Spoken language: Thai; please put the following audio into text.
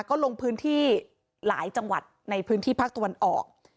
ก็ลงพื้นที่หลายจังหวัดในพื้นที่ภาคตะวันออก